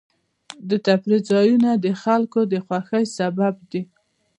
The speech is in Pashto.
د تفریح ځایونه د خلکو د خوښۍ سبب دي.